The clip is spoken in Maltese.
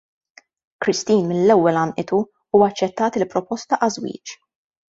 Christine mill-ewwel għannqitu, u aċċettat il-proposta għaż-żwieġ.